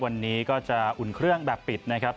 วันนี้ก็จะอุ่นเครื่องแบบปิดนะครับ